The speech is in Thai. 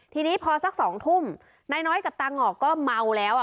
ทีนี้พอสัก๒ทุ่มนายน้อยกับตางอกก็เมาแล้ว